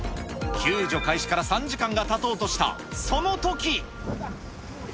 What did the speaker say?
救助開始から３時間がたとうとしたそのとき。